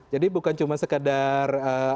jadi bukan cuma sekadar